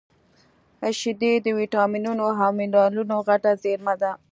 شیدې د ویټامینونو او مینرالونو غټه زېرمه ده